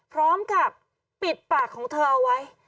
พร้อมกับปิดปากของเธอเอาไว้